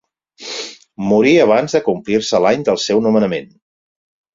Morí abans de complir-se l'any del seu nomenament.